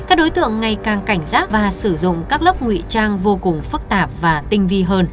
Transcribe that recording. các đối tượng ngày càng cảnh giác và sử dụng các lớp ngụy trang vô cùng phức tạp và tinh vi hơn